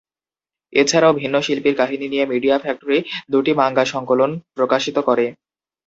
এছাড়াও, ভিন্ন শিল্পীর কাহিনী নিয়ে মিডিয়া ফ্যাক্টরি দুটি মাঙ্গা সংকলন প্রকাশিত করে।